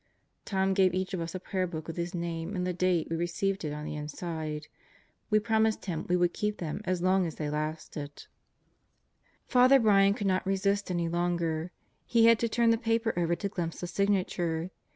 Tom gave each of us a prayer book with his name and the date we received it on the inside. We promised him we would keep them as long as they lasted. ... Father Brian could not resist any longer; he had to turn the paper over to glimpse the signature.